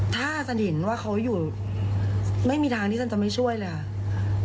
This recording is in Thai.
ถ้าฉันเห็นว่าเขาอยู่ไม่มีทางที่ฉันจะไม่ช่วยเลยค่ะ